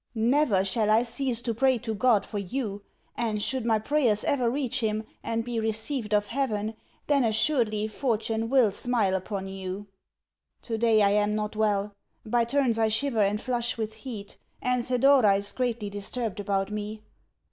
Never shall I cease to pray to God for you; and, should my prayers ever reach Him and be received of Heaven, then assuredly fortune will smile upon you! Today I am not well. By turns I shiver and flush with heat, and Thedora is greatly disturbed about me....